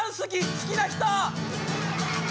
好きな人！